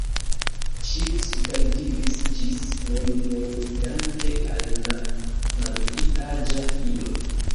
Ŝi supervivis ĝis nun nur danke al la malpli aĝa filo.